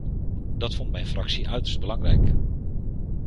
Dat vond mijn fractie uiterst belangrijk.